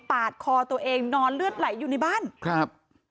ปาดคอตัวเองนอนเลือดไหลอยู่ในบ้านครับ